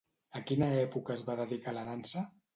A quina època es va dedicar a la dansa?